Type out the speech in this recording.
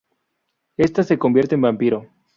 Ésta se convierte en vampiro.